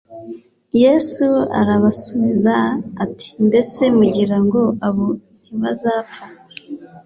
Yesu arabasubiza ati Mbese mugira ngo abo ntibazapfa